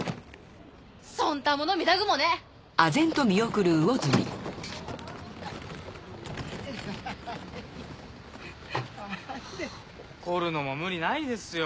そんたもの見たぐもね。怒るのも無理ないですよ。